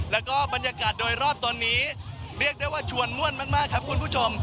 แล้วก็บรรยากาศโดยรอบตอนนี้เรียกได้ว่าชวนม่วนมากครับคุณผู้ชม